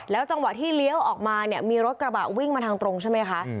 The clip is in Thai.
จังหวะที่เลี้ยวออกมาเนี่ยมีรถกระบะวิ่งมาทางตรงใช่ไหมคะ